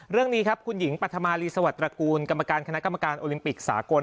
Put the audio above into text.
เรื่องนี้ครับคุณหญิงปัธมารีสวัสดิตระกูลกรรมการคณะกรรมการโอลิมปิกสากล